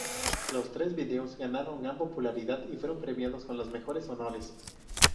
Los tres videos ganaron gran popularidad, y fueron premiados con los mejores honores.